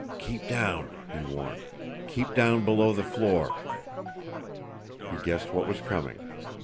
"Keep down!" he warned. "Keep down below the floor!" He guessed what was coming.